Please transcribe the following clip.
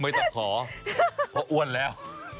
ไม่ต้องขอเพราะอ้วนแล้ว